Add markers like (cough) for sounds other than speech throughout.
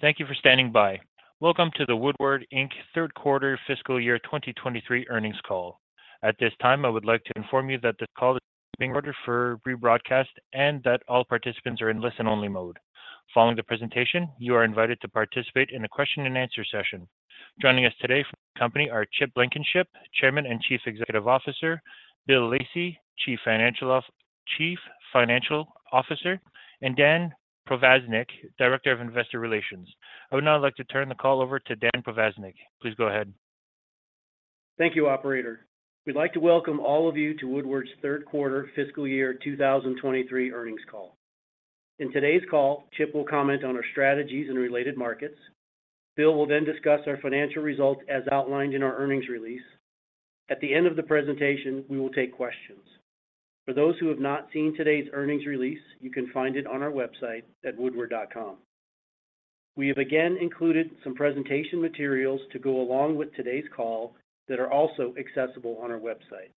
Thank you for standing by. Welcome to the Woodward, Inc. third quarter fiscal year 2023 earnings call. At this time, I would like to inform you that this call is being recorded for rebroadcast and that all participants are in listen-only mode. Following the presentation, you are invited to participate in a question-and-answer session. Joining us today from the company are Chip Blankenship, Chairman and Chief Executive Officer; Bill Lacey, Chief Financial Officer; and Dan Provaznik, Director of Investor Relations. I would now like to turn the call over to Dan Provaznik. Please go ahead. Thank you, operator. We'd like to welcome all of you to Woodward's third quarter fiscal year 2023 earnings call. In today's call, Chip will comment on our strategies and related markets. Bill will discuss our financial results as outlined in our earnings release. At the end of the presentation, we will take questions. For those who have not seen today's earnings release, you can find it on our website at woodward.com. We have again included some presentation materials to go along with today's call that are also accessible on our website.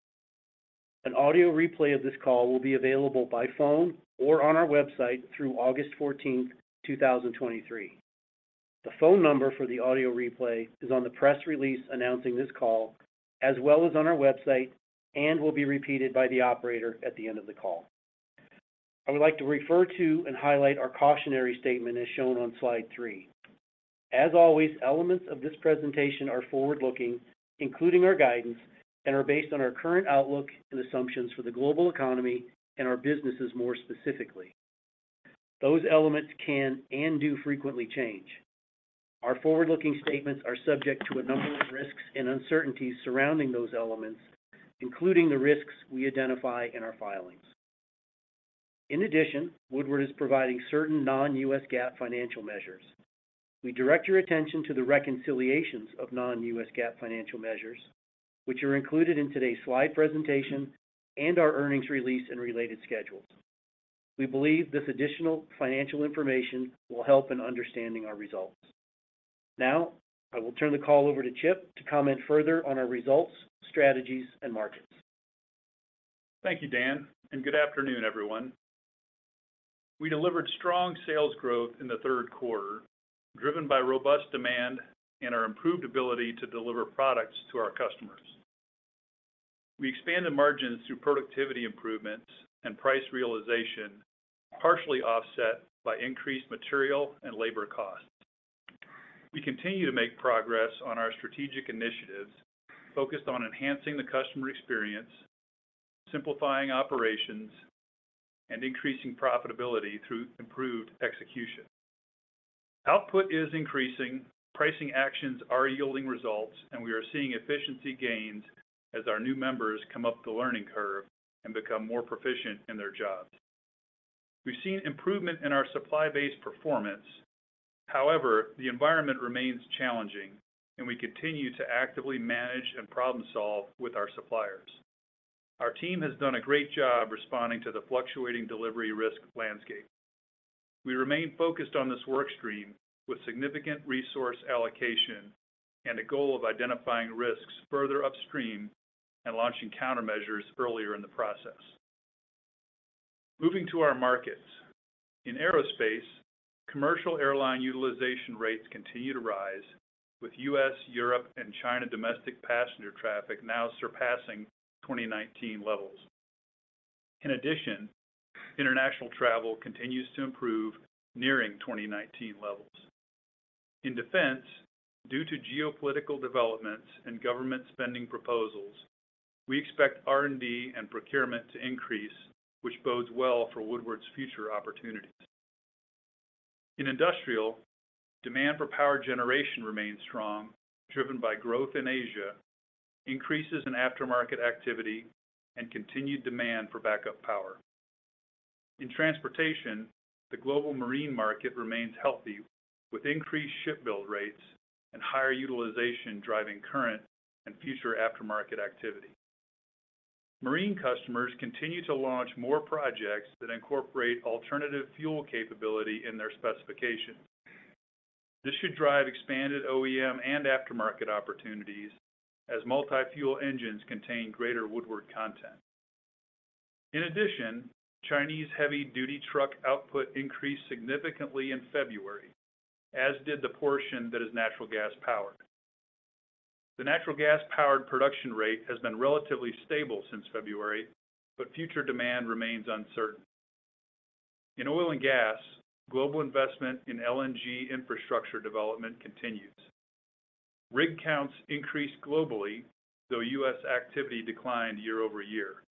An audio replay of this call will be available by phone or on our website through August 14th, 2023. The phone number for the audio replay is on the press release announcing this call, as well as on our website, and will be repeated by the operator at the end of the call. I would like to refer to and highlight our cautionary statement as shown on slide three. As always, elements of this presentation are forward-looking, including our guidance, and are based on our current outlook and assumptions for the global economy and our businesses more specifically. Those elements can and do frequently change. Our forward-looking statements are subject to a number of risks and uncertainties surrounding those elements, including the risks we identify in our filings. In addition, Woodward is providing certain non-U.S. GAAP financial measures. We direct your attention to the reconciliations of non-U.S. GAAP financial measures, which are included in today's slide presentation and our earnings release and related schedules. We believe this additional financial information will help in understanding our results. Now, I will turn the call over to Chip to comment further on our results, strategies, and markets. Thank you, Dan. Good afternoon, everyone. We delivered strong sales growth in the third quarter, driven by robust demand and our improved ability to deliver products to our customers. We expanded margins through productivity improvements and price realization, partially offset by increased material and labor costs. We continue to make progress on our strategic initiatives, focused on enhancing the customer experience, simplifying operations, and increasing profitability through improved execution. Output is increasing, pricing actions are yielding results. We are seeing efficiency gains as our new members come up the learning curve and become more proficient in their jobs. We've seen improvement in our supply base performance. However, the environment remains challenging. We continue to actively manage and problem-solve with our suppliers. Our team has done a great job responding to the fluctuating delivery risk landscape. We remain focused on this work stream with significant resource allocation and a goal of identifying risks further upstream and launching countermeasures earlier in the process. Moving to our markets. In aerospace, commercial airline utilization rates continue to rise, with U.S., Europe, and China domestic passenger traffic now surpassing 2019 levels. In addition, international travel continues to improve, nearing 2019 levels. In defense, due to geopolitical developments and government spending proposals, we expect R&D and procurement to increase, which bodes well for Woodward's future opportunities. In industrial, demand for power generation remains strong, driven by growth in Asia, increases in aftermarket activity, and continued demand for backup power. In transportation, the global marine market remains healthy, with increased ship build rates and higher utilization driving current and future aftermarket activity. Marine customers continue to launch more projects that incorporate alternative fuel capability in their specification. This should drive expanded OEM and aftermarket opportunities as multi-fuel engines contain greater Woodward content. In addition, Chinese heavy-duty truck output increased significantly in February, as did the portion that is natural gas-powered. The natural gas-powered production rate has been relatively stable since February, but future demand remains uncertain. In oil and gas, global investment in LNG infrastructure development continues. Rig counts increased globally, though U.S. activity declined year-over-year.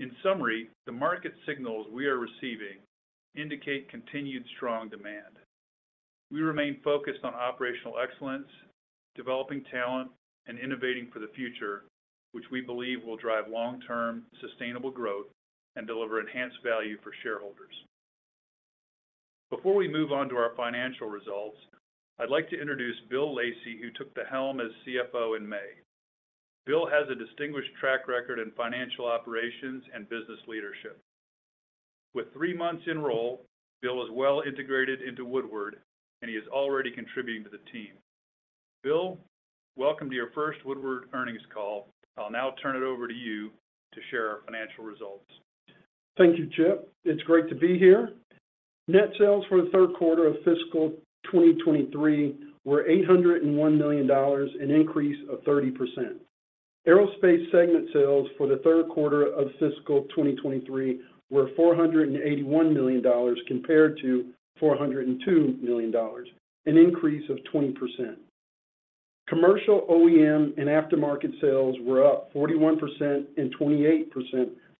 In summary, the market signals we are receiving indicate continued strong demand. We remain focused on operational excellence, developing talent, and innovating for the future, which we believe will drive long-term sustainable growth and deliver enhanced value for shareholders. Before we move on to our financial results, I'd like to introduce Bill Lacey, who took the helm as CFO in May. Bill has a distinguished track record in financial operations and business leadership. With three months in role, Bill is well integrated into Woodward, and he is already contributing to the team. Bill, welcome to your first Woodward earnings call. I'll now turn it over to you to share our financial results. Thank you, Chip. It's great to be here. Net sales for the third quarter of fiscal 2023 were $801 million, an increase of 30%. Aerospace segment sales for the third quarter of fiscal 2023 were $481 million compared to $402 million, an increase of 20%. Commercial OEM and aftermarket sales were up 41% and 28%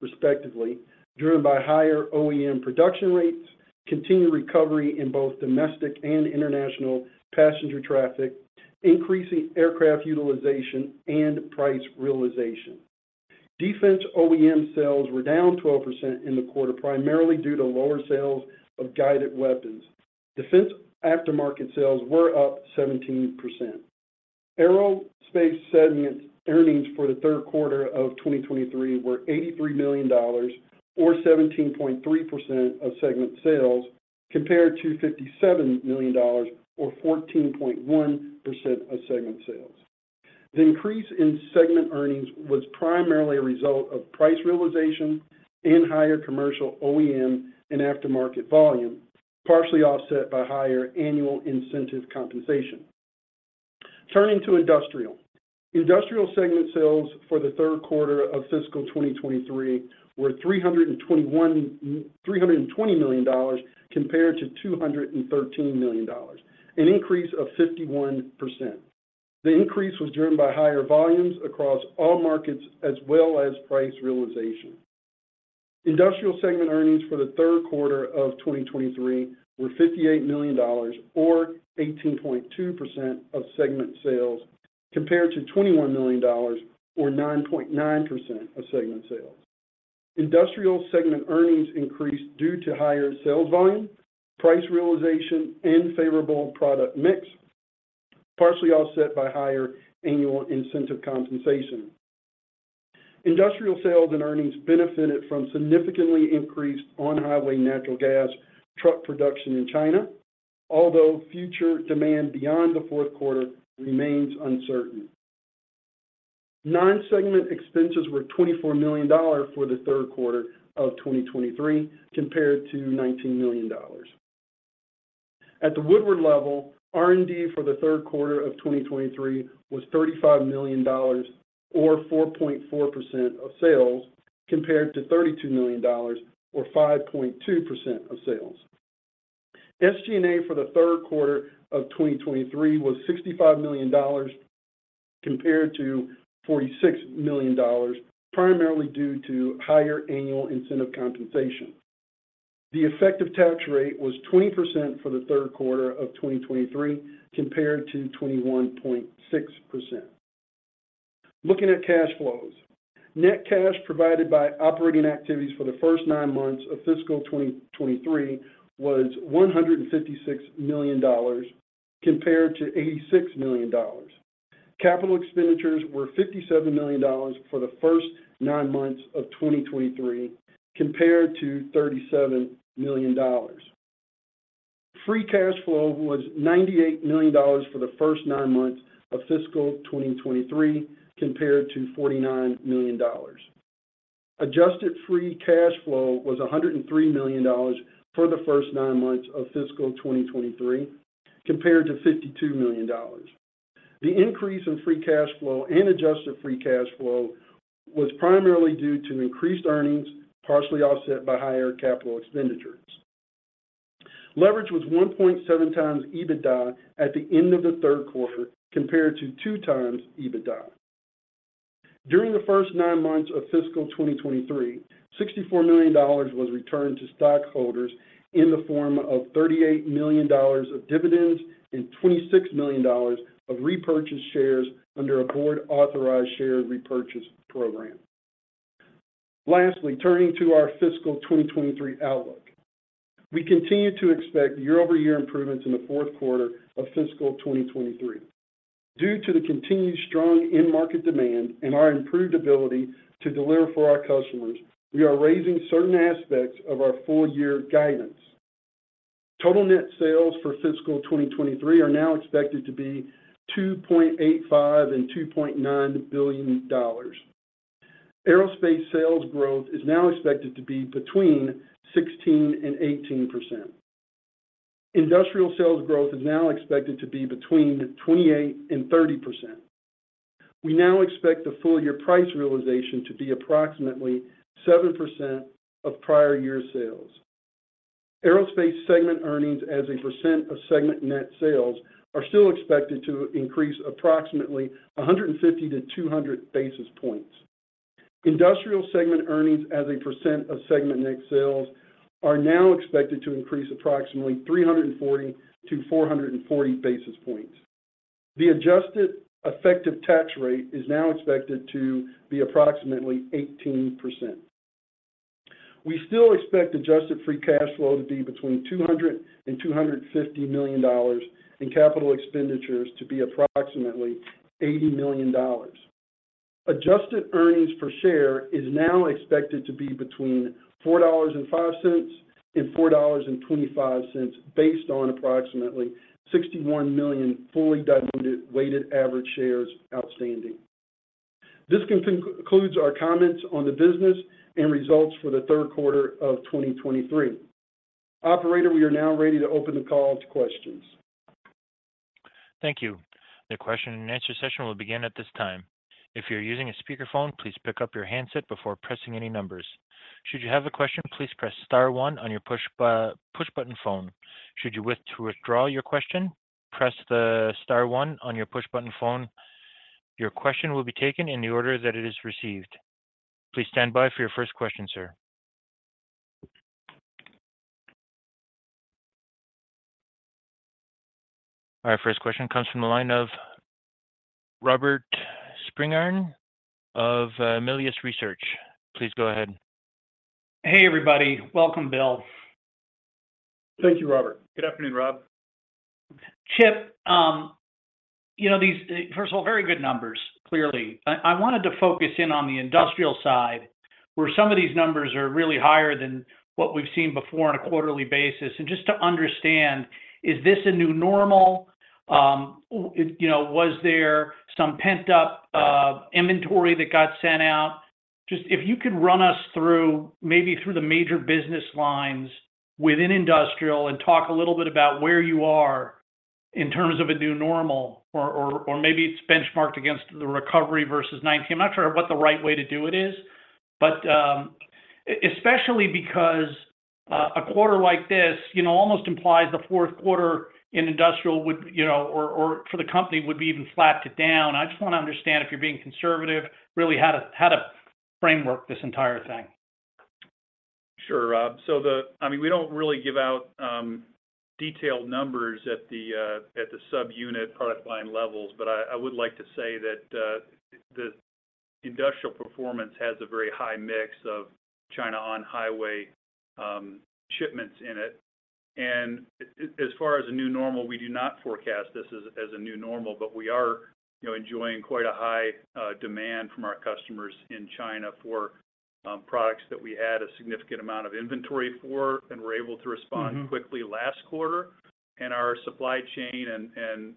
respectively, driven by higher OEM production rates, continued recovery in both domestic and international passenger traffic, increasing aircraft utilization and price realization. Defense OEM sales were down 12% in the quarter, primarily due to lower sales of guided weapons. Defense aftermarket sales were up 17%. Aerospace segment earnings for the third quarter of 2023 were $83 million, or 17.3% of segment sales, compared to $57 million, or 14.1% of segment sales. The increase in segment earnings was primarily a result of price realization and higher commercial OEM and aftermarket volume, partially offset by higher annual incentive compensation. Turning to industrial. Industrial segment sales for the third quarter of fiscal 2023 were $320 million compared to $213 million, an increase of 51%. The increase was driven by higher volumes across all markets as well as price realization. Industrial segment earnings for the third quarter of 2023 were $58 million or 18.2% of segment sales, compared to $21 million or 9.9% of segment sales. Industrial segment earnings increased due to higher sales volume, price realization, and favorable product mix, partially offset by higher annual incentive compensation. Industrial sales and earnings benefited from significantly increased on-highway natural gas truck production in China, although future demand beyond the fourth quarter remains uncertain. Non-segment expenses were $24 million for the third quarter of 2023, compared to $19 million. At the Woodward level, R&D for the third quarter of 2023 was $35 million or 4.4% of sales, compared to $32 million or 5.2% of sales. SG&A for the third quarter of 2023 was $65 million, compared to $46 million, primarily due to higher annual incentive compensation. The effective tax rate was 20% for the third quarter of 2023, compared to 21.6%. Looking at cash flows. Net cash provided by operating activities for the first nine months of fiscal 2023 was $156 million, compared to $86 million. Capital expenditures were $57 million for the first nine months of 2023, compared to $37 million. Free cash flow was $98 million for the first nine months of fiscal 2023, compared to $49 million. Adjusted free cash flow was $103 million for the first nine months of fiscal 2023, compared to $52 million. The increase in free cash flow and adjusted free cash flow was primarily due to increased earnings, partially offset by higher capital expenditures. Leverage was 1.7x EBITDA at the end of the third quarter, compared to 2x EBITDA. During the first nine months of fiscal 2023, $64 million was returned to stockholders in the form of $38 million of dividends and $26 million of repurchased shares under a board-authorized share repurchase program. Lastly, turning to our fiscal 2023 outlook. We continue to expect year-over-year improvements in the fourth quarter of fiscal 2023. Due to the continued strong end market demand and our improved ability to deliver for our customers, we are raising certain aspects of our full year guidance. Total net sales for fiscal 2023 are now expected to be $2.85 billion-$2.9 billion. Aerospace sales growth is now expected to be between 16% and 18%. Industrial sales growth is now expected to be between 28% and 30%. We now expect the full year price realization to be approximately 7% of prior year sales. Aerospace segment earnings as a percent of segment net sales are still expected to increase approximately 150 to 200 basis points. Industrial segment earnings as a percent of segment net sales are now expected to increase approximately 340 to 440 basis points. The adjusted effective tax rate is now expected to be approximately 18%. We still expect adjusted free cash flow to be between $200 million and $250 million, and capital expenditures to be approximately $80 million. adjusted earnings per share is now expected to be between $4.05 and $4.25, based on approximately 61 million fully diluted weighted average shares outstanding. This concludes our comments on the business and results for the third quarter of 2023. Operator, we are now ready to open the call to questions. Thank you. The question-and-answer session will begin at this time. If you're using a speakerphone, please pick up your handset before pressing any numbers. Should you have a question, please press star one on your push button phone. Should you wish to withdraw your question, press the star one on your push button phone. Your question will be taken in the order that it is received. Please stand by for your first question, sir. Our first question comes from the line of Robert Spingarn of Melius Research. Please go ahead. Hey, everybody. Welcome, Bill. Thank you, Robert. Good afternoon, Rob. Chip, you know, first of all, very good numbers, clearly. I wanted to focus in on the industrial side, where some of these numbers are really higher than what we've seen before on a quarterly basis. Just to understand, is this a new normal? You know, was there some pent-up inventory that got sent out? Just if you could run us through, maybe through the major business lines within industrial and talk a little bit about where you are in terms of a new normal, or maybe it's benchmarked against the recovery versus 2019. I'm not sure what the right way to do it is, but especially because a quarter like this, you know, almost implies the fourth quarter in industrial would, you know, or for the company would be even flat to down. I just want to understand if you're being conservative, really how to, how to framework this entire thing. Sure, Rob. The... I mean, we don't really give out detailed numbers at the at the subunit product line levels, but I, I would like to say that the industrial performance has a very high mix of China on-highway shipments in it. As far as a new normal, we do not forecast this as, as a new normal, but we are, you know, enjoying quite a high demand from our customers in China for products that we had a significant amount of inventory for and were able to respond- Mm-hmm... quickly last quarter. Our supply chain and, and,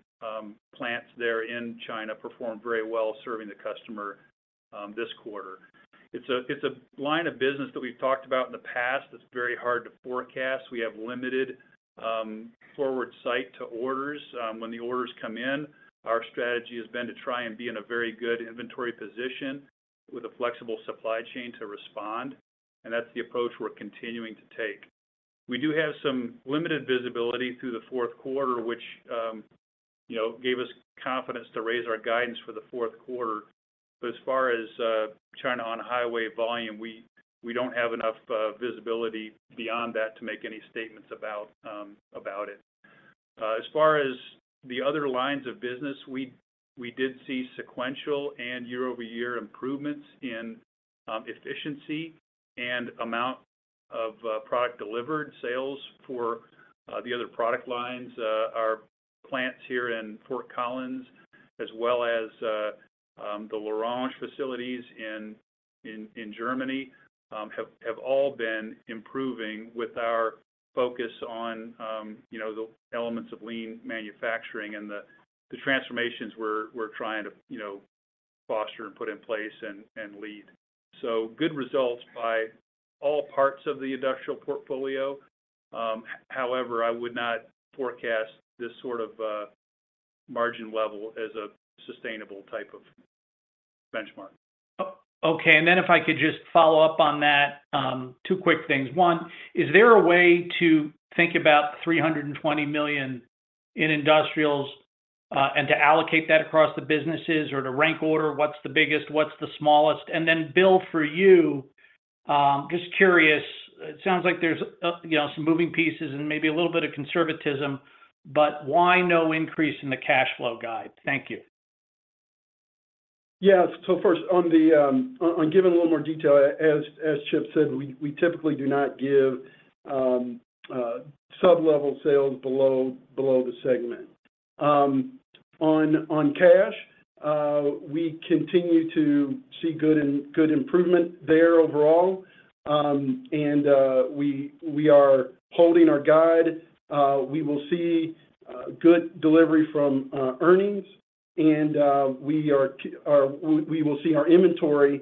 plants there in China performed very well serving the customer this quarter. It's a, it's a line of business that we've talked about in the past that's very hard to forecast. We have limited forward sight to orders. When the orders come in, our strategy has been to try and be in a very good inventory position with a flexible supply chain to respond, and that's the approach we're continuing to take. We do have some limited visibility through the fourth quarter, which, you know, gave us confidence to raise our guidance for the fourth quarter. As far as China on-highway volume, we, we don't have enough visibility beyond that to make any statements about about it. As far as the other lines of business, we did see sequential and year-over-year improvements in efficiency and amount of product delivered, sales for the other product lines. Our plants here in Fort Collins, as well as the Glatten facilities in Germany, have all been improving with our focus on, you know, the elements of lean manufacturing and the transformations we're trying to, you know, foster and put in place and lead. Good results by all parts of the industrial portfolio. However, I would not forecast this sort of margin level as a sustainable type of benchmark. Okay, if I could just follow up on that. Two quick things. One, is there a way to think about $320 million in industrials and to allocate that across the businesses or to rank order what's the biggest, what's the smallest? Then, Bill, for you, just curious, it sounds like there's, you know, some moving pieces and maybe a little bit of conservatism, but why no increase in the cash flow guide? Thank you. Yeah. First, on the, on giving a little more detail, as Chip said, we, we typically do not give sublevel sales below, below the segment. On, on cash, we continue to see good and good improvement there overall. We, we are holding our guide. We will see good delivery from earnings, and we, we will see our inventory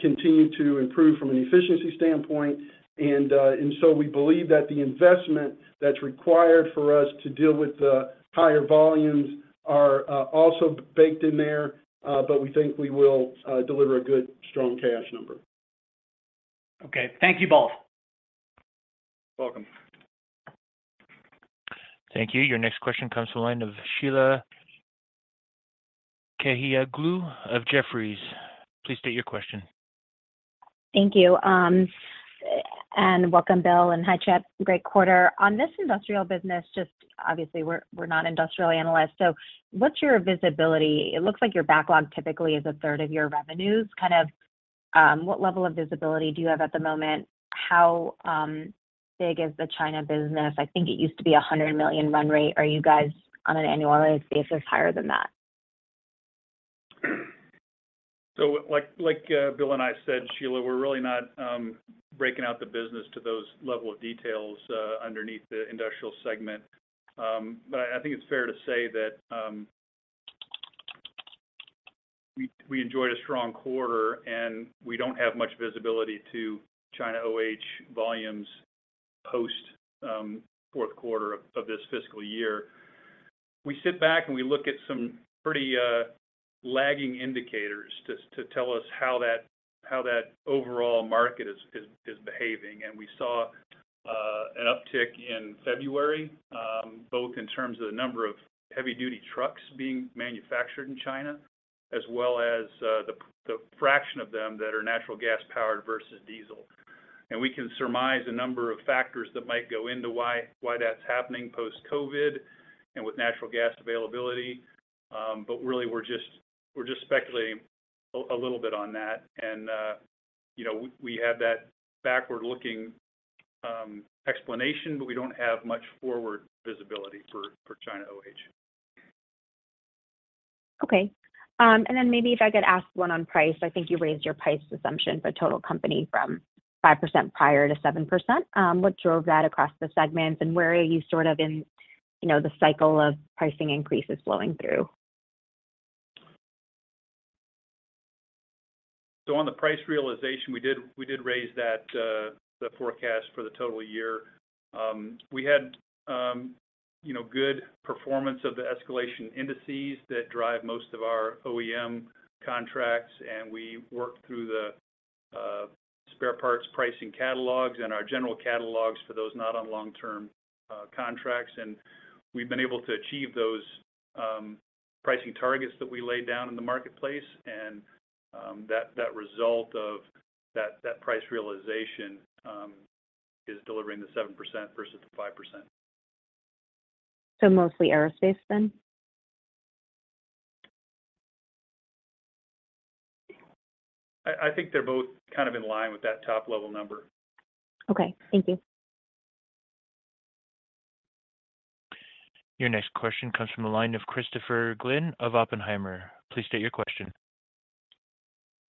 continue to improve from an efficiency standpoint. We believe that the investment that's required for us to deal with the higher volumes are also baked in there, but we think we will deliver a good, strong cash number. Okay. Thank you both. Welcome. Thank you. Your next question comes from the line of Sheila Kahyaoglu of Jefferies. Please state your question. Thank you, welcome, Bill, and hi, Chip. Great quarter. On this industrial business, just obviously, we're, we're not industrial analysts, so what's your visibility? It looks like your backlog typically is a third of your revenues. What level of visibility do you have at the moment? How big is the China business? I think it used to be a $100 million run rate. Are you guys on an annualized basis higher than that? Like, like Bill and I said, Sheila, we're really not breaking out the business to those level of details underneath the industrial segment. I think it's fair to say that we, we enjoyed a strong quarter, and we don't have much visibility to China OE volumes post fourth quarter of this fiscal year. We sit back, and we look at some pretty lagging indicators to tell us how that overall market is behaving. We saw an uptick in February, both in terms of the number of heavy-duty trucks being manufactured in China, as well as the fraction of them that are natural gas-powered versus diesel. We can surmise a number of factors that might go into why that's happening post-COVID and with natural gas availability. Really, we're just, we're just speculating a, a little bit on that. You know, we, we have that backward-looking, explanation, but we don't have much forward visibility for, for China OE. Okay. Then maybe if I could ask one on price. I think you raised your price assumption for total company from 5% prior to 7%. What drove that across the segments, and where are you sort of in, you know, the cycle of pricing increases flowing through? On the price realization, we did, we did raise that, the forecast for the total year. We had, you know, good performance of the escalation indices that drive most of our OEM contracts, and we worked through the spare parts pricing catalogs and our general catalogs for those not on long-term contracts. We've been able to achieve those pricing targets that we laid down in the marketplace, and that, that result of that, that price realization, is delivering the 7% versus the 5%. Mostly aerospace then? I, I think they're both kind of in line with that top-level number. Okay, thank you. Your next question comes from the line of Christopher Glynn of Oppenheimer. Please state your question.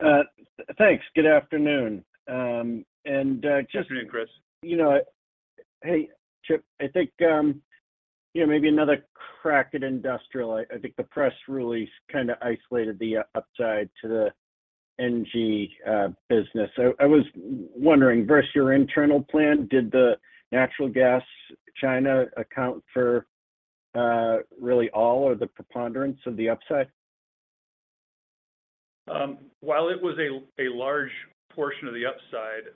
Thanks. Good afternoon. Good afternoon, Chris. You know, hey, Chip, I think, you know, maybe another crack at industrial. I, I think the press release kind of isolated the upside to the NG business. I was wondering, versus your internal plan, did the natural gas China account for really all or the preponderance of the upside? While it was a, a large portion of the upside,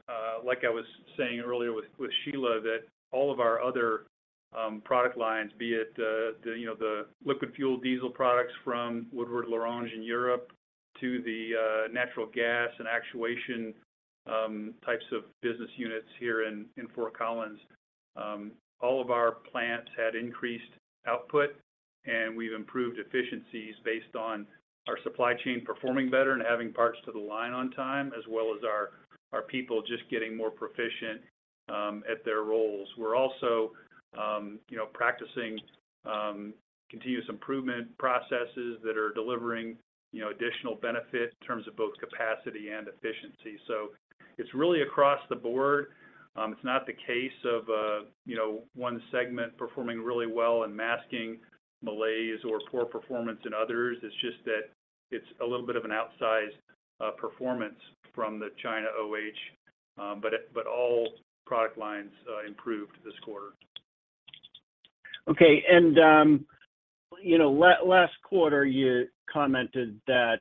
like I was saying earlier with, with Sheila, that all of our other product lines, be it, the, you know, the liquid fuel diesel products from Woodward L'Orange in Europe to the natural gas and actuation types of business units here in Fort Collins, all of our plants had increased output, and we've improved efficiencies based on our supply chain performing better and having parts to the line on time, as well as our, our people just getting more proficient at their roles. We're also, you know, practicing continuous improvement processes that are delivering, you know, additional benefit in terms of both capacity and efficiency. It's really across the board. It's not the case of, you know, one segment performing really well and masking malaise or poor performance in others. It's just that it's a little bit of an outsized performance from the China OE, but all product lines improved this quarter. Okay, and, you know, last quarter, you commented that,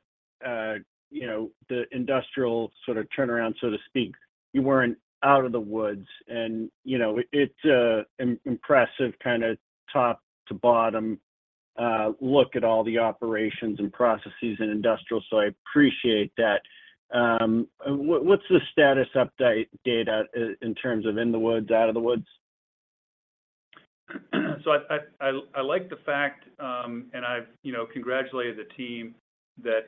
you know, the industrial sort of turnaround, so to speak, you weren't out of the woods, and, you know, it's a impressive kind of top-to-bottom, look at all the operations and processes in industrial, so I appreciate that. What, what's the status update in terms of in the woods, out of the woods? I, I, I, I like the fact, and I've, you know, congratulated the team, that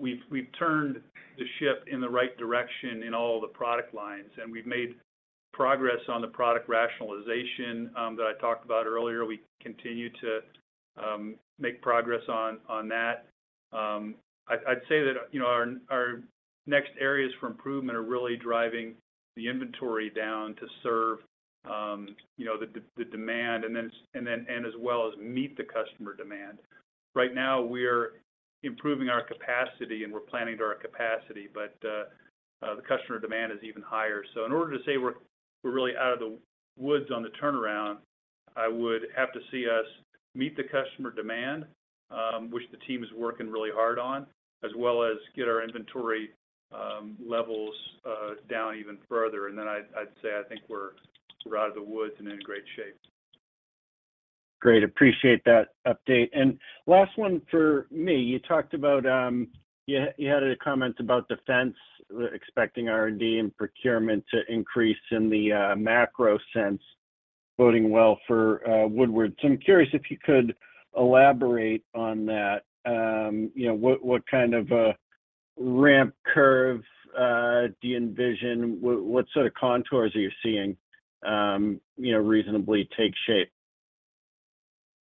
we've, we've turned the ship in the right direction in all the product lines, and we've made progress on the product rationalization that I talked about earlier. We continue to make progress on, on that. I'd, I'd say that, you know, our, our next areas for improvement are really driving the inventory down to serve, you know, the, the, the demand, and then as well as meet the customer demand. Right now, we're improving our capacity, and we're planning to our capacity, but the customer demand is even higher. In order to say we're, we're really out of the woods on the turnaround, I would have to see us meet the customer demand, which the team is working really hard on, as well as get our inventory, levels, down even further. Then I'd, I'd say I think we're, we're out of the woods and in great shape. Great. Appreciate that update. Last one for me. You talked about, you had a comment about defense, expecting R&D and procurement to increase in the macro sense, boding well for Woodward. I'm curious if you could elaborate on that. You know, what, what kind of a ramp curve do you envision? What, what sort of contours are you seeing, you know, reasonably take shape?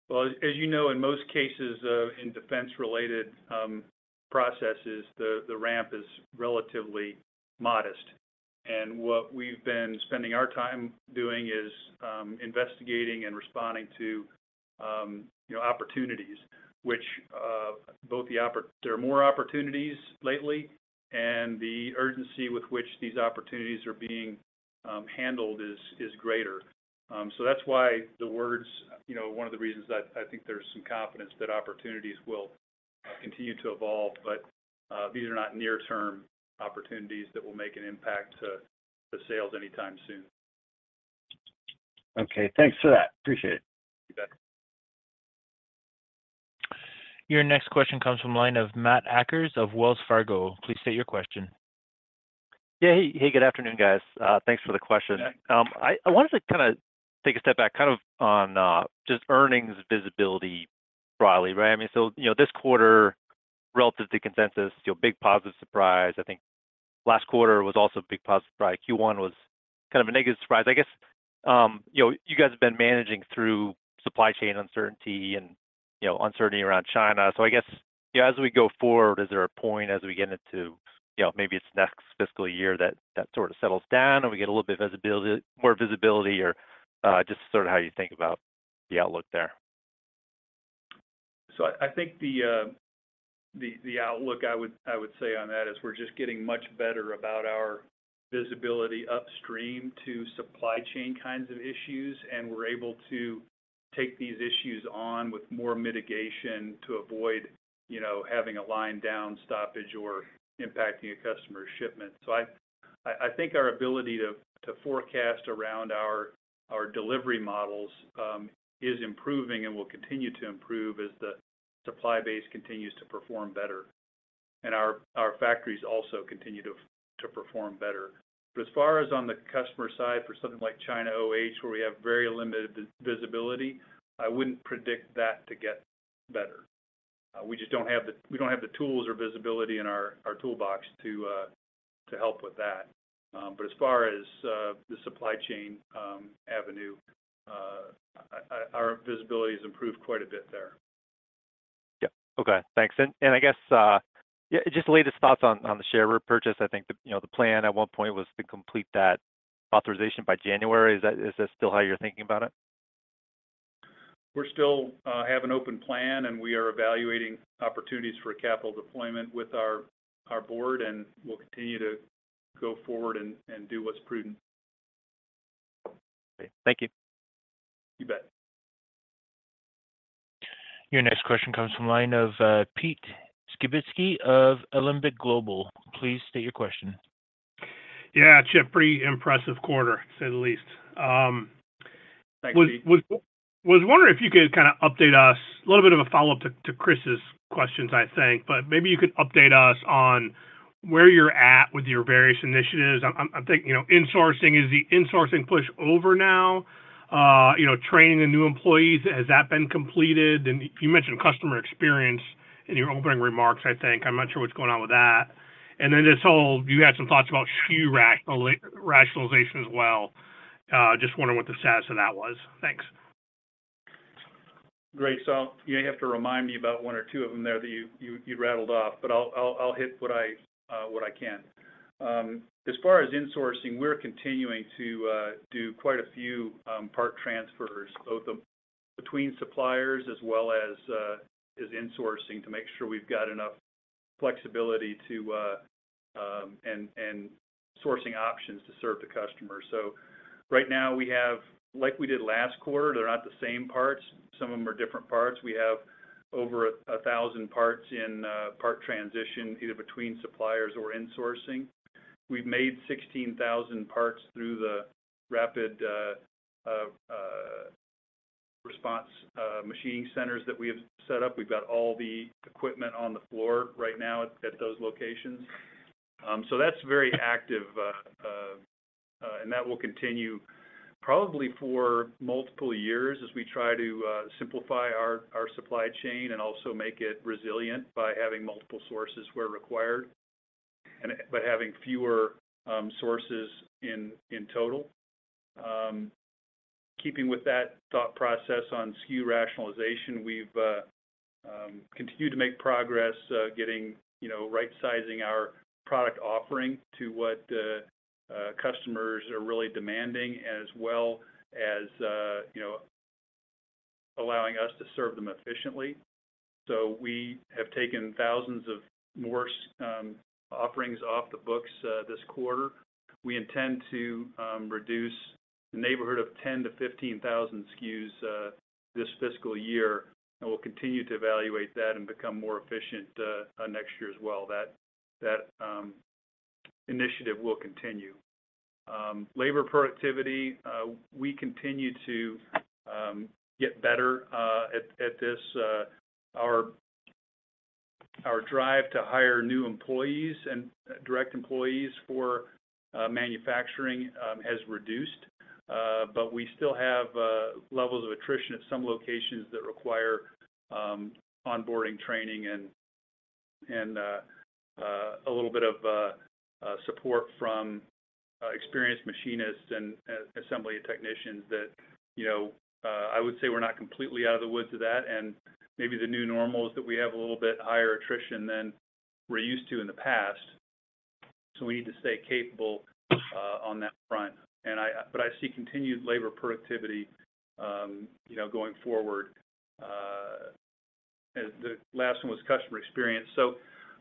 Well, as you know, in most cases, in defense-related processes, the ramp is relatively modest. What we've been spending our time doing is investigating and responding to, you know, opportunities, which both there are more opportunities lately, and the urgency with which these opportunities are being handled is greater. So that's why the words, you know, one of the reasons that I think there's some confidence that opportunities will continue to evolve, but these are not near-term opportunities that will make an impact to sales anytime soon. Okay, thanks for that. Appreciate it. You bet. Your next question comes from the line of Matt Akers of Wells Fargo. Please state your question? Yeah. Hey, good afternoon, guys. thanks for the question. Yeah. I, I wanted to kind of take a step back, kind of on, just earnings visibility broadly, right? I mean, so, you know, this quarter, relative to consensus, you know, big positive surprise. I think last quarter was also a big positive surprise. Q1 was kind of a negative surprise. I guess, you know, you guys have been managing through supply chain uncertainty and, you know, uncertainty around China. I guess, you know, as we go forward, is there a point as we get into, you know, maybe it's next fiscal year, that that sort of settles down, and we get a little bit of visibility-- more visibility? just sort of how you think about the outlook there. I, I think the, the, the outlook I would, I would say on that is we're just getting much better about our visibility upstream to supply chain kinds of issues, and we're able to take these issues on with more mitigation to avoid, you know, having a line down stoppage or impacting a customer's shipment. I, I, I think our ability to, to forecast around our, our delivery models, is improving and will continue to improve as the supply base continues to perform better, and our, our factories also continue to, to perform better. As far as on the customer side, for something like China OE, where we have very limited visibility, I wouldn't predict that to get better. We just don't have the tools or visibility in our, our toolbox to help with that. As far as the supply chain, avenue, our visibility has improved quite a bit there. Yeah. Okay, thanks. I guess, yeah, just the latest thoughts on, on the share repurchase. I think the, you know, the plan at one point was to complete that authorization by January. Is that, is that still how you're thinking about it? We're still have an open plan, and we are evaluating opportunities for capital deployment with our, our board, and we'll continue to go forward and, and do what's prudent. Okay. Thank you. You bet. Your next question comes from the line of Pete Skibitski of Alembic Global. Please state your question. Yeah, Chip, pretty impressive quarter, to say the least. Thanks, Pete.... was wondering if you could kind of update us, a little bit of a follow-up to Chris's questions, I think, but maybe you could update us on where you're at with your various initiatives. I'm thinking, you know, insourcing, is the insourcing push over now? You know, training the new employees, has that been completed? And you mentioned customer experience in your opening remarks, I think. I'm not sure what's going on with that. And then this whole, you had some thoughts about SKU rationalization as well. Just wondering what the status of that was. Thanks. Great. You're going to have to remind me about one or two of them there that you, you, you rattled off, but I'll, I'll, I'll hit what I can. As far as insourcing, we're continuing to do quite a few part transfers, both between suppliers as well as as insourcing, to make sure we've got enough flexibility to and sourcing options to serve the customer. Right now we have, like we did last quarter, they're not the same parts, some of them are different parts. We have over 1,000 parts in part transition, either between suppliers or insourcing. We've made 16,000 parts through the rapid response machining centers that we have set up. We've got all the equipment on the floor right now at, at those locations. That's very active, and that will continue probably for multiple years as we try to simplify our, our supply chain and also make it resilient by having multiple sources where required, and, but having fewer sources in, in total. Keeping with that thought process on SKU rationalization, we've continued to make progress getting, you know, right-sizing our product offering to what customers are really demanding, as well as, you know, allowing us to serve them efficiently. We have taken thousands of more offerings off the books this quarter. We intend to reduce the neighborhood of 10,000-15,000 SKUs this fiscal year, and we'll continue to evaluate that and become more efficient next year as well. That, that initiative will continue. Labor productivity, we continue to get better at this. Our drive to hire new employees and direct employees for manufacturing has reduced. We still have levels of attrition at some locations that require onboarding, training, and a little bit of support from experienced machinists and assembly technicians that, you know, I would say we're not completely out of the woods of that, and maybe the new normal is that we have a little bit higher attrition than we're used to in the past. We need to stay capable on that front. I see continued labor productivity, you know, going forward. The last one was customer experience.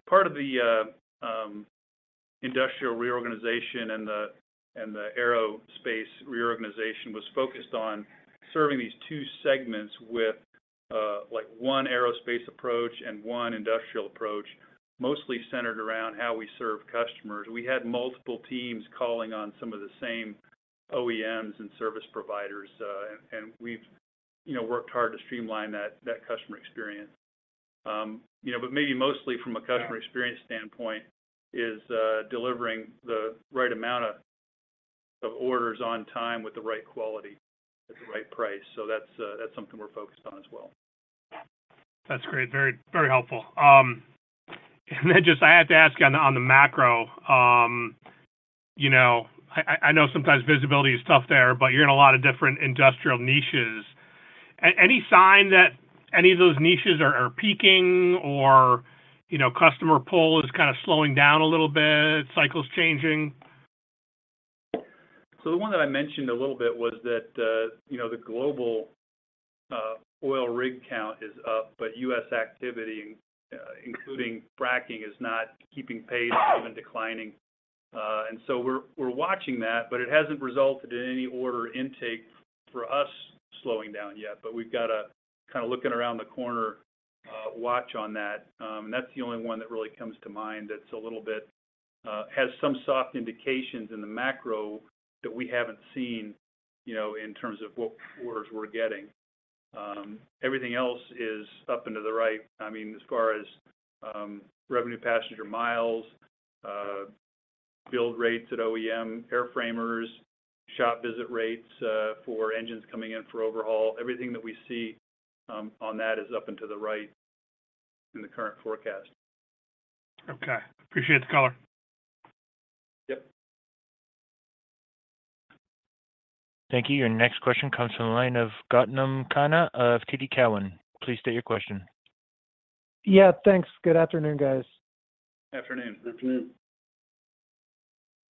Part of the industrial reorganization and the aerospace reorganization was focused on serving these two segments with, like, one aerospace approach and one industrial approach, mostly centered around how we serve customers. We had multiple teams calling on some of the same OEMs and service providers, and, and we've, you know, worked hard to streamline that, that customer experience. You know, but maybe mostly from a customer experience standpoint, is delivering the right amount of orders on time with the right quality at the right price. That's that's something we're focused on as well. That's great. Very, very helpful. Then just I have to ask on, on the macro, you know, I, I, I know sometimes visibility is tough there, but you're in a lot of different industrial niches. Any sign that any of those niches are, are peaking or, you know, customer pull is kind of slowing down a little bit, cycles changing? The one that I mentioned a little bit was that, you know, the global oil rig count is up, but U.S. activity, including fracking, is not keeping pace, even declining. We're watching that, but it hasn't resulted in any order intake for us slowing down yet. We've got a kind of looking around the corner watch on that. That's the only one that really comes to mind that's a little bit, has some soft indications in the macro that we haven't seen, you know, in terms of what orders we're getting. Everything else is up and to the right, I mean, as far as revenue passenger miles, build rates at OEM, airframers, shop visit rates for engines coming in for overhaul. Everything that we see, on that is up and to the right in the current forecast. Okay. Appreciate the color. Yep. Thank you. Your next question comes from the line of Gautam Khanna of TD Cowen. Please state your question. Yeah, thanks. Good afternoon, guys. Afternoon. Afternoon.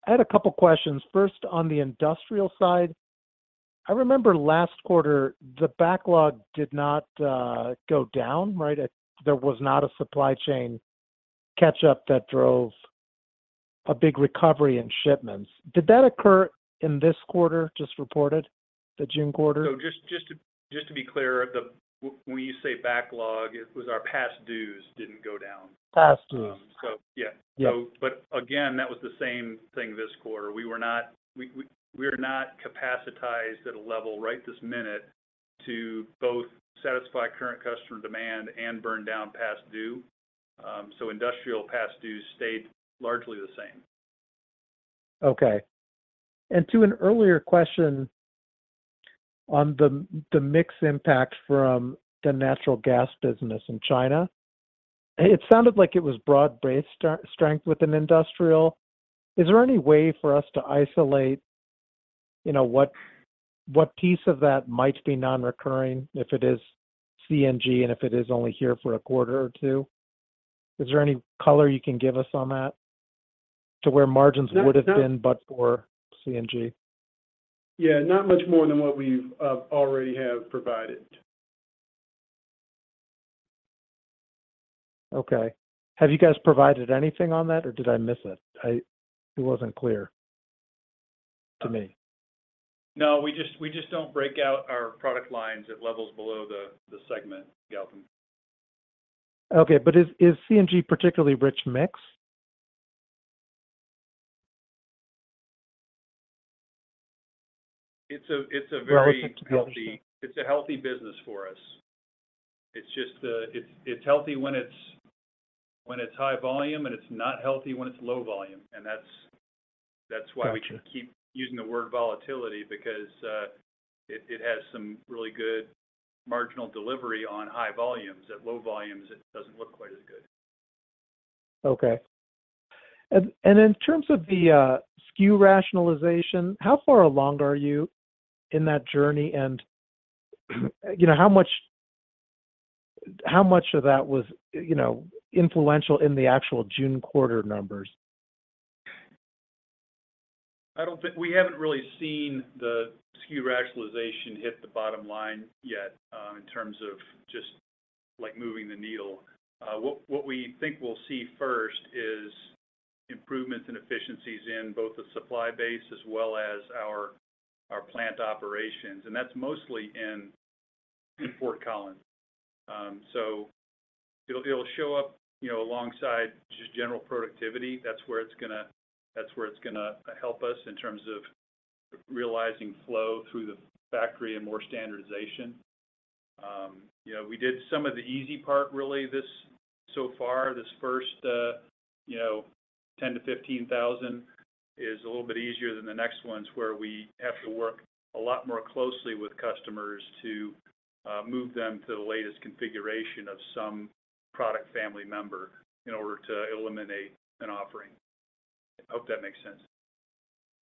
I had two questions. First, on the industrial side, I remember last quarter, the backlog did not go down, right? There was not a supply chain catch-up that drove a big recovery in shipments. Did that occur in this quarter just reported, the June quarter? Just to be clear, when you say backlog, it was our past dues didn't go down. Past dues. Yeah. Yeah. Again, that was the same thing this quarter. We're not capacitized at a level right this minute to both satisfy current customer demand and burn down past due. Industrial past dues stayed largely the same. Okay. To an earlier question on the, the mix impact from the natural gas business in China, it sounded like it was broad-based strength within industrial. Is there any way for us to isolate, you know, what, what piece of that might be non-recurring, if it is CNG, and if it is only here for a quarter or two? Is there any color you can give us on that, to where margins... No.... would have been, but for CNG? Yeah, not much more than what we've already have provided. Okay. Have you guys provided anything on that, or did I miss it? It wasn't clear to me. No, we just don't break out our product lines at levels below the segment, Gautam. Okay, is, is CNG particularly rich mix? It's a very- Relative to the others. It's a healthy business for us. It's just, it's, it's healthy when it's, when it's high volume, and it's not healthy when it's low volume, and that's, that's why... Gotcha... we keep using the word volatility, because it, it has some really good marginal delivery on high volumes. At low volumes, it doesn't look quite as good. Okay. In terms of the SKU rationalization, how far along are you in that journey? You know, how much of that was, you know, influential in the actual June quarter numbers? We haven't really seen the SKU rationalization hit the bottom line yet, in terms of just, like, moving the needle. What, what we think we'll see first is improvements in efficiencies in both the supply base as well as our, our plant operations, and that's mostly in, in Fort Collins. It'll, it'll show up, you know, alongside just general productivity. That's where it's gonna, that's where it's gonna help us in terms of realizing flow through the factory and more standardization. You know, we did some of the easy part really this, so far, this first, you know, 10,000-15,000 is a little bit easier than the next ones, where we have to work a lot more closely with customers to move them to the latest configuration of some product family member in order to eliminate an offering. I hope that makes sense.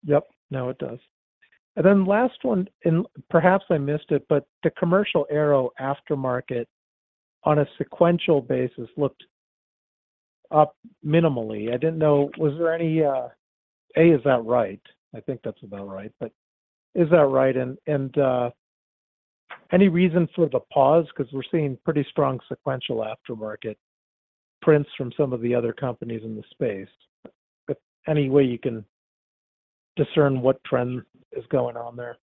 Yep. No, it does. Last one, perhaps I missed it, but the commercial aero aftermarket, on a sequential basis, looked up minimally. I didn't know, was there any, is that right? I think that's about right, but is that right? Any reason for the pause? 'Cause we're seeing pretty strong sequential aftermarket prints from some of the other companies in the space. Any way you can discern what trend is going on there?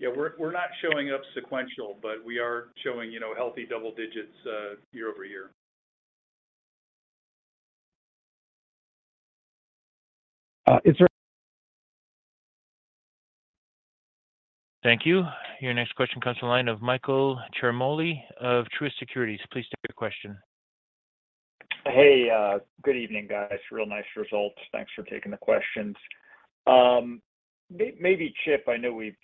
Yeah, we're, we're not showing up sequential, but we are showing, you know, healthy double digits, year-over-year. Uh, is there- Thank you. Your next question comes to the line of Michael Ciarmoli of Truist Securities. Please state your question. Hey, good evening, guys. Real nice results. Thanks for taking the questions. Maybe Chip, I know we've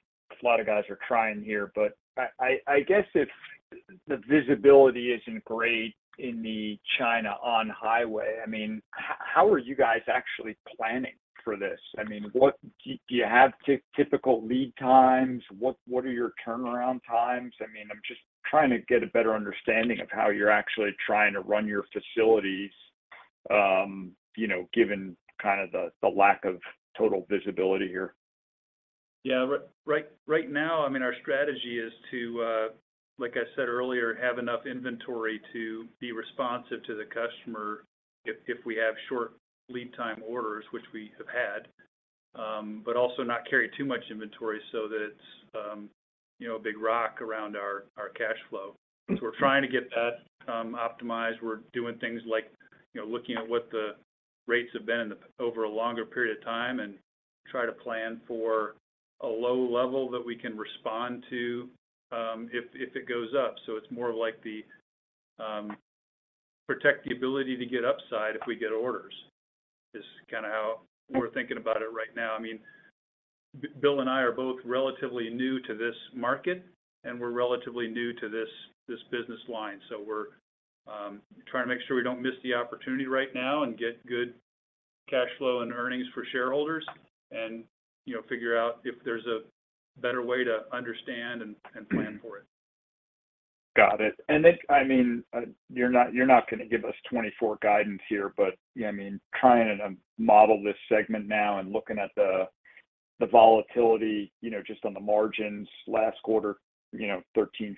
a lot of guys are trying here, but I, I, I guess if the visibility isn't great in the China on-highway, I mean, how are you guys actually planning for this? I mean, what do you have typical lead times? What, what are your turnaround times? I mean, I'm just trying to get a better understanding of how you're actually trying to run your facilities, you know, given kind of the, the lack of total visibility here. Yeah, right, right now, I mean, our strategy is to, like I said earlier, have enough inventory to be responsive to the customer if, if we have short lead time orders, which we have had. Also not carry too much inventory so that it's, you know, a big rock around our, our cash flow. We're trying to get that optimized. We're doing things like, you know, looking at what the rates have been in the over a longer period of time and try to plan for a low level that we can respond to, if, if it goes up. It's more of like the... protect the ability to get upside if we get orders, is kind of how we're thinking about it right now. I mean, Bill and I are both relatively new to this market, and we're relatively new to this, this business line. We're trying to make sure we don't miss the opportunity right now and get good cash flow and earnings for shareholders and, you know, figure out if there's a better way to understand and, and plan for it. Got it. Then, I mean, you're not, you're not gonna give us 2024 guidance here, but, yeah, I mean, trying to model this segment now and looking at the, the volatility, you know, just on the margins last quarter, you know, 13.4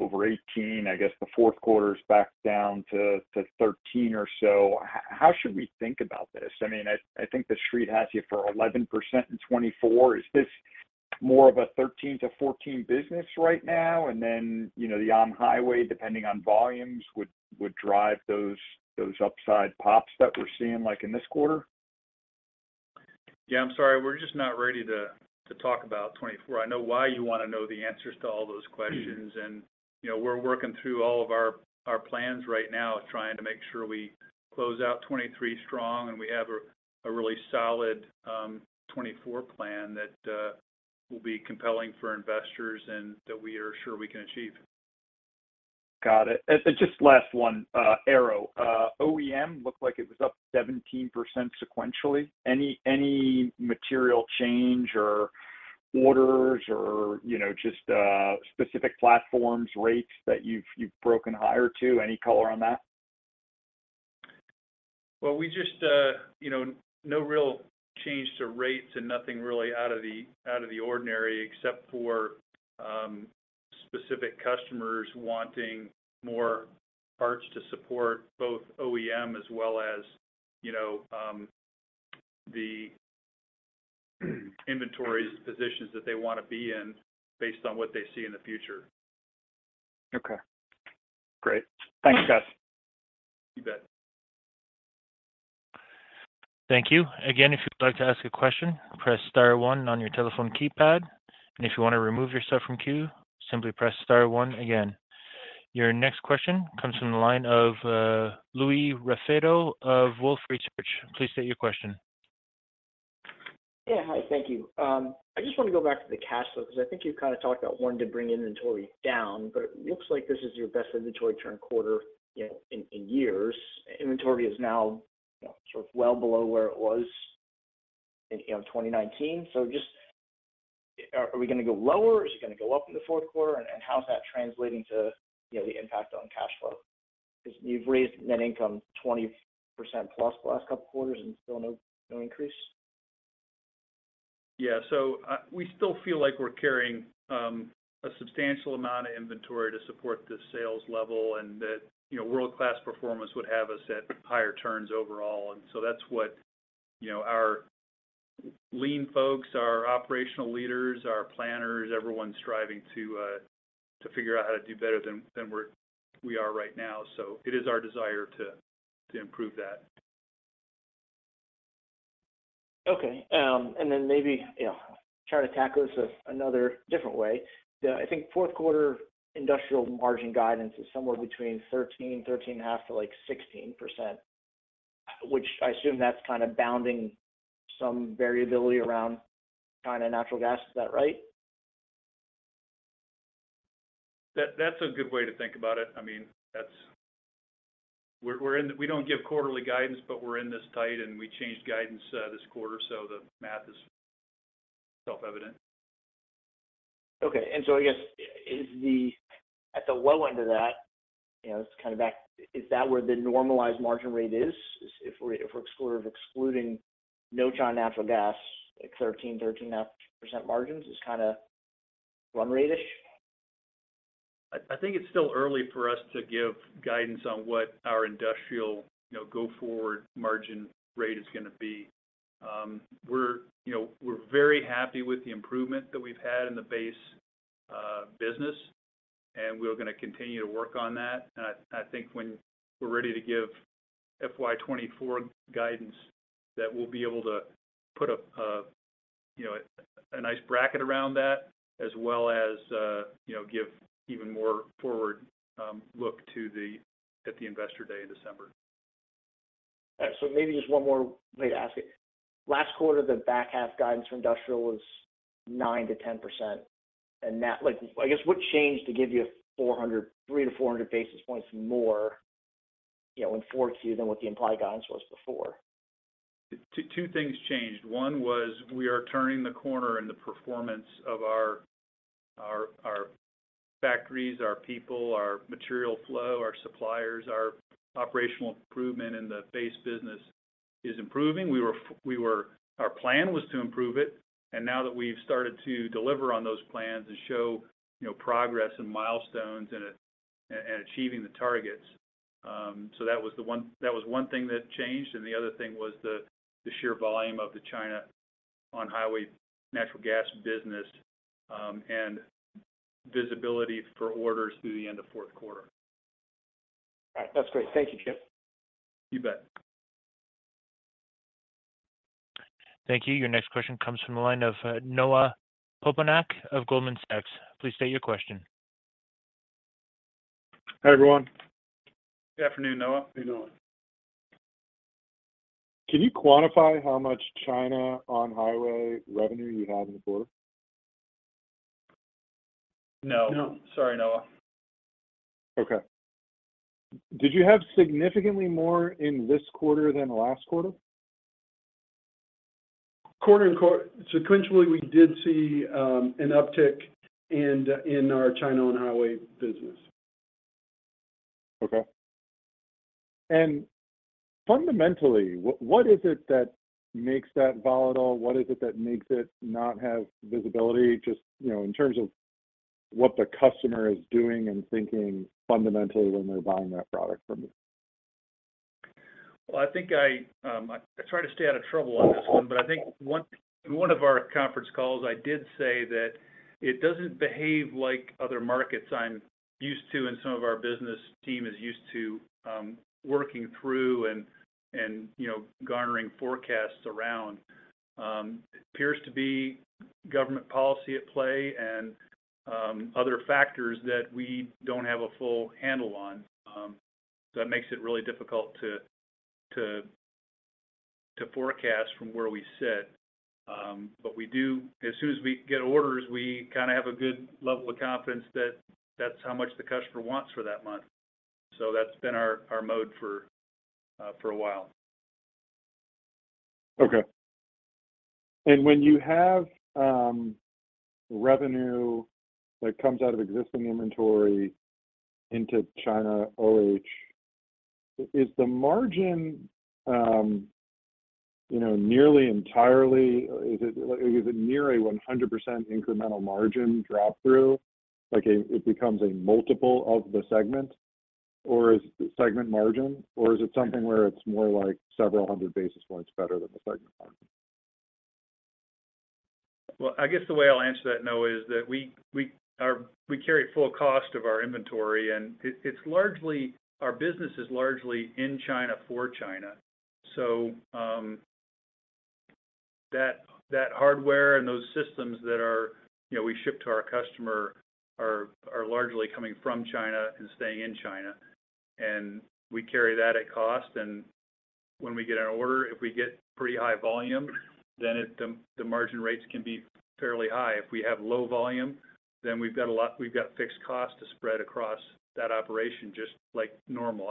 over 18. I guess the fourth quarter's back down to 13 or so. How should we think about this? I mean, I, I think the Street has you for 11% in 2024. Is this more of a 13 to 14 business right now, and then, you know, the on-highway, depending on volumes, would, would drive those, those upside pops that we're seeing, like, in this quarter? Yeah, I'm sorry. We're just not ready to talk about 24. I know why you want to know the answers to all those questions. Mm-hmm. You know, we're working through all of our, our plans right now, trying to make sure we close out 2023 strong, and we have a, a really solid 2024 plan that will be compelling for investors and that we are sure we can achieve. Got it. Just last one, Aero. OEM looked like it was up 17% sequentially. Any, any material change or orders or, you know, just specific platforms, rates that you've, you've broken higher to? Any color on that? Well, we just, you know, no real change to rates and nothing really out of the ordinary, except for specific customers wanting more parts to support both OEM as well as, you know, inventories positions that they want to be in based on what they see in the future. Okay. Great. Thanks, guys. You bet. Thank you. Again, if you'd like to ask a question, press star one on your telephone keypad, and if you want to remove yourself from queue, simply press star one again. Your next question comes from the line of Louis Raffetto of Wolfe Research. Please state your question. Yeah. Hi, thank you. I just want to go back to the cash flow, because I think you've kind of talked about wanting to bring inventory down, but it looks like this is your best inventory turn quarter, you know, in, in years. Inventory is now, you know, sort of well below where it was in, you know, 2019. Just, are we gonna go lower or is it gonna go up in the fourth quarter? How's that translating to, you know, the impact on cash flow? 'Cause you've raised net income 20% plus the last couple quarters, and still no, no increase. Yeah. We still feel like we're carrying a substantial amount of inventory to support the sales level, and that, you know, world-class performance would have us at higher turns overall. That's what, you know, our lean folks, our operational leaders, our planners, everyone's striving to figure out how to do better than we are right now. It is our desire to, to improve that. Okay. Maybe, yeah, try to tackle this another different way. The, I think, fourth quarter industrial margin guidance is somewhere between 13%, 13.5% to, like, 16%, which I assume that's kind of bounding some variability around China natural gas. Is that right? That, that's a good way to think about it. I mean, we don't give quarterly guidance, but we're in this tight, and we changed guidance, this quarter, so the math is self-evident. Okay. I guess, at the low end of that, you know, it's kind of back, is that where the normalized margin rate is? If we're sort of excluding no China natural gas, at 13%, 13.5% margins is kind of run rate-ish? I, I think it's still early for us to give guidance on what our industrial, you know, go-forward margin rate is gonna be. We're, you know, we're very happy with the improvement that we've had in the base business, and we're gonna continue to work on that. I, I think when we're ready to give FY 2024 guidance, that we'll be able to put a, you know, a, a nice bracket around that, as well as, you know, give even more forward look at the Investor Day in December. Maybe just one more way to ask it. Last quarter, the back half guidance for industrial was 9%-10%, and that... what changed to give you 400, 300-400 basis points more, you know, in 4Q than what the implied guidance was before? Two, two things changed. One was we are turning the corner in the performance of our, our, our factories, our people, our material flow, our suppliers. Our operational improvement in the base business is improving. We were-- Our plan was to improve it, and now that we've started to deliver on those plans and show, you know, progress and milestones and, and achieving the targets, so that was the one-- that was one thing that changed, and the other thing was the, the sheer volume of the China on-highway natural gas business, and visibility for orders through the end of fourth quarter. All right. That's great. Thank you, Chip. You bet. Thank you. Your next question comes from the line of Noah Poponak of Goldman Sachs. Please state your question. Hi, everyone. Good afternoon, Noah. How you doing? Can you quantify how much China on-highway revenue you had in the quarter? No. No. Sorry, Noah. Okay. Did you have significantly more in this quarter than last quarter? Quarter and quarter-- sequentially, we did see, an uptick in our China on-highway business. Okay. Fundamentally, what, what is it that makes that volatile? What is it that makes it not have visibility, just, you know, in terms of what the customer is doing and thinking fundamentally when they're buying that product from you? Well, I think I, I try to stay out of trouble on this one, but I think one in one of our conference calls, I did say that it doesn't behave like other markets I'm used to, and some of our business team is used to, working through and, and, you know, garnering forecasts around. It appears to be government policy at play and, other factors that we don't have a full handle on. That makes it really difficult to, to, to forecast from where we sit. We do. As soon as we get orders, we kind of have a good level of confidence that that's how much the customer wants for that month. That's been our, our mode for, for a while. Okay. When you have revenue that comes out of existing inventory into China OE, is the margin, you know, nearly entirely, or is it, is it near a 100% incremental margin drop-through? Like, it becomes a multiple of the segment margin, or is it something where it's more like several hundred basis points better than the segment margin? Well, I guess the way I'll answer that, Noah, is that we carry full cost of our inventory, and it's largely. Our business is largely in China for China. That hardware and those systems that are, you know, we ship to our customer are largely coming from China and staying in China, and we carry that at cost. When we get an order, if we get pretty high volume, then the margin rates can be fairly high. If we have low volume, then we've got fixed costs to spread across that operation just like normal.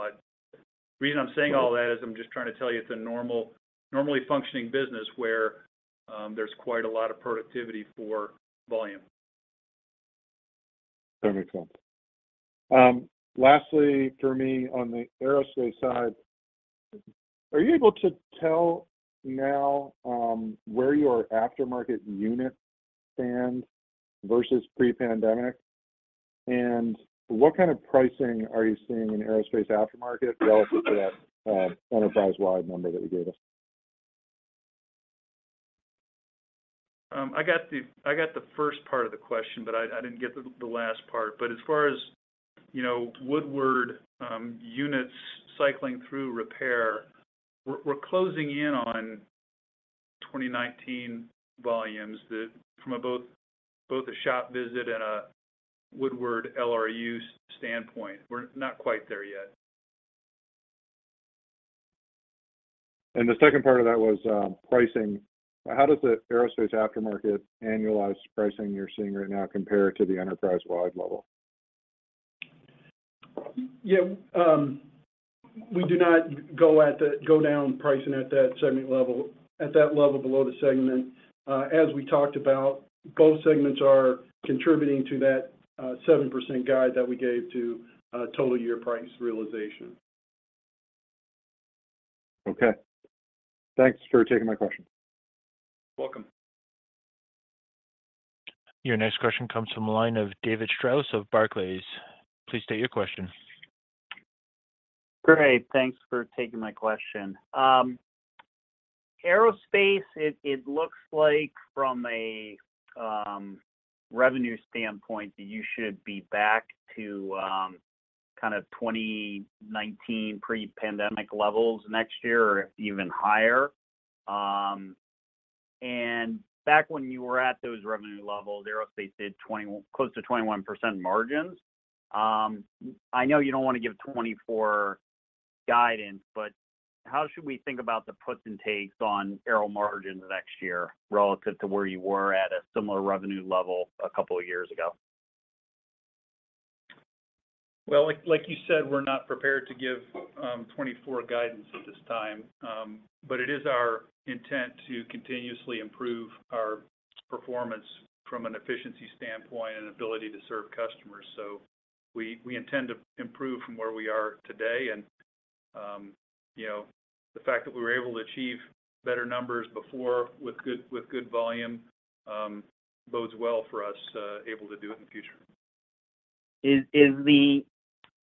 The reason I'm saying all that is I'm just trying to tell you it's a normally functioning business, where there's quite a lot of productivity for volume. That makes sense. Lastly, for me, on the aerospace side, are you able to tell now, where your aftermarket unit stands versus pre-pandemic? What kind of pricing are you seeing in aerospace aftermarket relative to that, enterprise-wide number that you gave us? I got the, I got the first part of the question, but I, I didn't get the, the last part. As far as, you know, Woodward, units cycling through repair, we're, we're closing in on 2019 volumes that from a both, both a shop visit and a Woodward LRU standpoint, we're not quite there yet. The second part of that was pricing. How does the aerospace aftermarket annualized pricing you're seeing right now compare to the enterprise-wide level? Yeah, we do not go down pricing at that segment level, at that level below the segment. As we talked about, both segments are contributing to that, 7% guide that we gave to, total year price realization. Okay. Thanks for taking my question. Welcome. Your next question comes from the line of David Strauss of Barclays. Please state your question. Great, thanks for taking my question. aerospace, it looks like from a revenue standpoint, that you should be back to 2019 pre-pandemic levels next year or even higher. Back when you were at those revenue levels, aerospace did 20%- close to 21% margins. I know you don't want to give 2024 guidance, but how should we think about the puts and takes on aero margins next year relative to where you were at a similar revenue level a couple of years ago? Well, like, like you said, we're not prepared to give, 2024 guidance at this time. It is our intent to continuously improve our performance from an efficiency standpoint and ability to serve customers. We, we intend to improve from where we are today. You know, the fact that we were able to achieve better numbers before with good, with good volume, bodes well for us, able to do it in the future.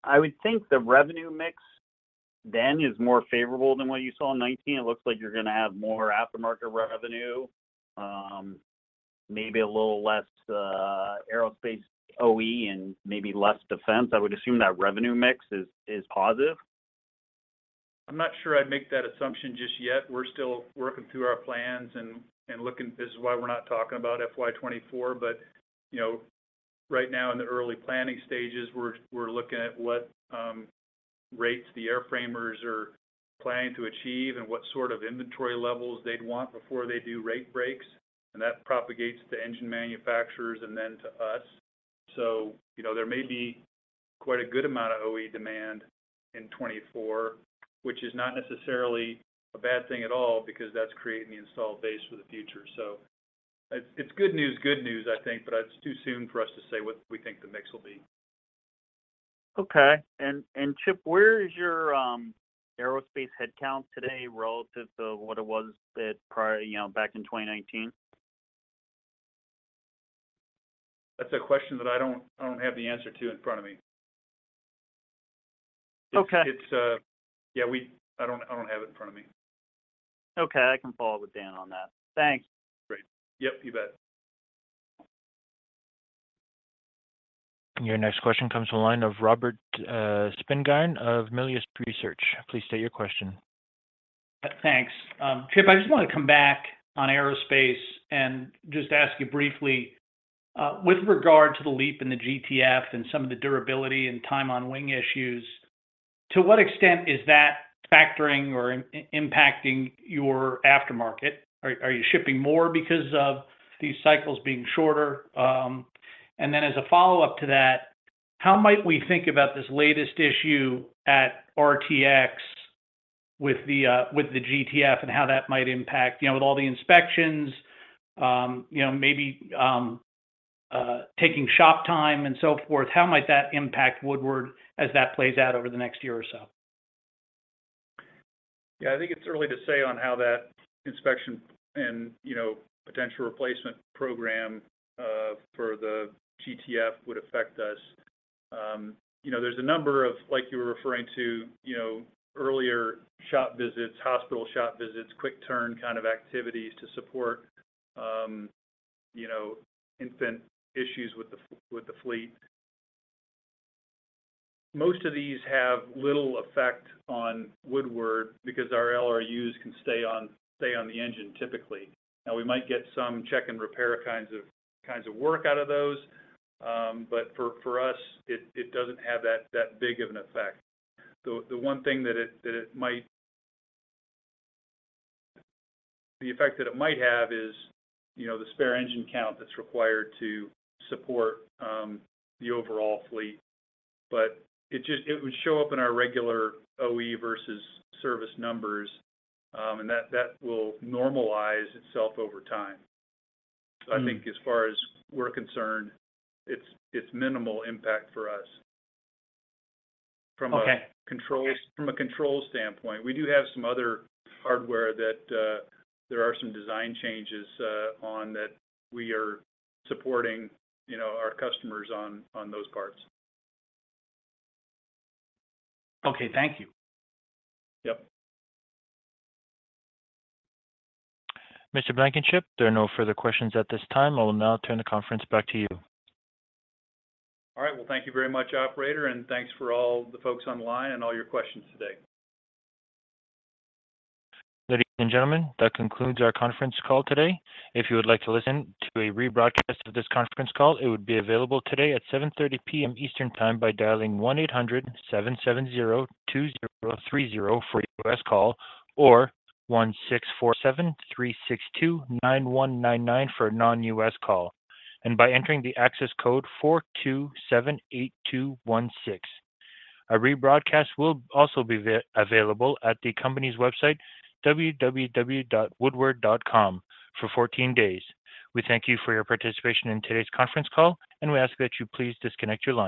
I would think the revenue mix then is more favorable than what you saw in 19. It looks like you're gonna have more aftermarket revenue, maybe a little less aerospace OE and maybe less defense. I would assume that revenue mix is, is positive. I'm not sure I'd make that assumption just yet. We're still working through our plans and looking... This is why we're not talking about FY 2024, but, you know, right now, in the early planning stages, we're looking at what rates the airframers are planning to achieve and what sort of inventory levels they'd want before they do rate breaks. That propagates to engine manufacturers and then to us. You know, there may be quite a good amount of OE demand in 2024, which is not necessarily a bad thing at all, because that's creating the installed base for the future. It's good news, good news, I think, but it's too soon for us to say what we think the mix will be. Okay. Chip, where is your aerospace headcount today relative to what it was at prior, you know, back in 2019? That's a question that I don't, I don't have the answer to in front of me. Okay. It's. Yeah, I don't, I don't have it in front of me. Okay. I can follow up with (inaudible) on that. Thanks. Great. Yep, you bet. Your next question comes from the line of Robert Spingarn of Melius Research. Please state your question. Thanks. Chip, I just wanted to come back on aerospace and just ask you briefly, with regard to the LEAP and the GTF and some of the durability and time on wing issues, to what extent is that factoring or impacting your aftermarket? Are you shipping more because of these cycles being shorter? Then as a follow-up to that, how might we think about this latest issue at RTX with the GTF and how that might impact, you know, with all the inspections, you know, maybe taking shop time and so forth, how might that impact Woodward as that plays out over the next year or so? Yeah, I think it's early to say on how that inspection and, you know, potential replacement program for the GTF would affect us. You know, there's a number of, like you were referring to, you know, earlier shop visits, hospital shop visits, quick turn kind of activities to support, you know, infant issues with the fleet. Most of these have little effect on Woodward because our LRUs can stay on, stay on the engine typically. Now, we might get some check and repair kinds of, kinds of work out of those, but for, for us, it, it doesn't have that, that big of an effect. The, the one thing that it, that it might the effect that it might have is, you know, the spare engine count that's required to support the overall fleet. It would show up in our regular OE versus service numbers, that, that will normalize itself over time. Mm. I think as far as we're concerned, it's, it's minimal impact for us from a. Okay... controls, from a controls standpoint. We do have some other hardware that, there are some design changes, on, that we are supporting, you know, our customers on, on those parts. Okay, thank you. Yep. Mr. Blankenship, there are no further questions at this time. I will now turn the conference back to you. All right. Well, thank you very much, operator, and thanks for all the folks online and all your questions today. Ladies and gentlemen, that concludes our conference call today. If you would like to listen to a rebroadcast of this conference call, it would be available today at 7:30 P.M. Eastern Time by dialing 1-800-770-2030 for a U.S. call, or 1-647-362-9199 for a non-U.S. call, and by entering the access code 4278216. A rebroadcast will also be available at the company's website, www.woodward.com, for 14 days. We thank you for your participation in today's conference call, and we ask that you please disconnect your lines.